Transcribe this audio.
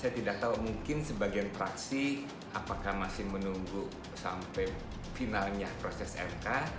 saya tidak tahu mungkin sebagian praksi apakah masih menunggu sampai finalnya proses mk